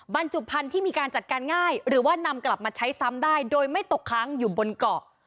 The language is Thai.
บรรจุภัณฑ์ที่มีการจัดการง่ายหรือว่านำกลับมาใช้ซ้ำได้โดยไม่ตกค้างอยู่บนเกาะ